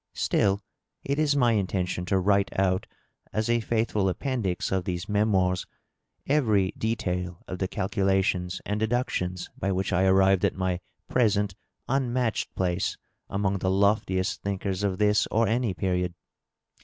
Still, it is my intention to write out, as a faithful appendix of these memoirs, every detail of the calculations and deductions by which I arrived at my present unmatched place among the loftiest thinkers of this or any period.